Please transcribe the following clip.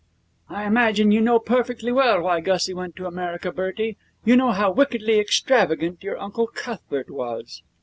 'I imagine you know perfectly well why Gussie went to America, Bertie. You know how wickedly extravagant your Uncle Cuthbert was.'